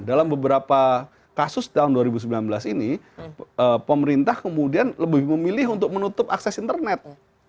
dalam beberapa kasus tahun dua ribu sembilan belas ini pemerintah kemudian lebih memilih untuk menutup akses internet